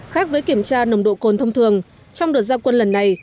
khác với kiểm tra nồng độ cồn thông thường trong đợt giao quân lần này